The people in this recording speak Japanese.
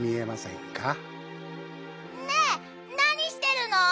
ねえなにしてるの？